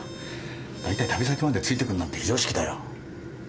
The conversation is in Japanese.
大体旅先までついて来るなんて非常識だよ。